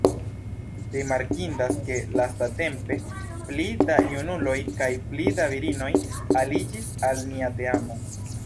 Rimarkindas ke lastatempe pli da junuloj kaj pli da virinoj aliĝis al nia teamo.